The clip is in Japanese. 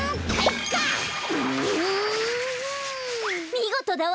みごとだわ！